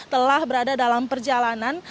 telah berada dalam perjalanan